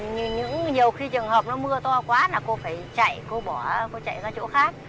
nhiều khi trường hợp mưa to quá là cô phải chạy cô bỏ cô chạy ra chỗ khác